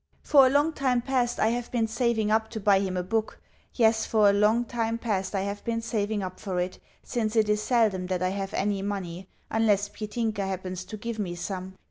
For a long time past, I have been saving up to buy him a book yes, for a long time past I have been saving up for it, since it is seldom that I have any money, unless Petinka happens to give me some.